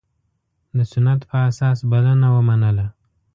د سنت په اساس بلنه ومنله.